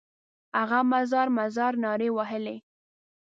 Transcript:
هغه مزار مزار نارې وهلې.